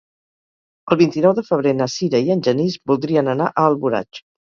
El vint-i-nou de febrer na Sira i en Genís voldrien anar a Alboraig.